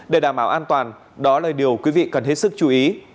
để đảm bảo an toàn đó là điều quý vị cần hết sức chú ý